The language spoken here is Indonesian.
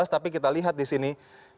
tapi kita lihat di sini